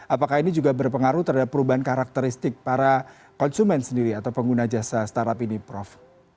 apakah ini juga berpengaruh terhadap perubahan karakteristik para konsumen sendiri atau pengguna jasa startup ini prof